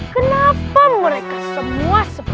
kenapa mereka semua